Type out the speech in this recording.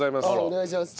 お願いします。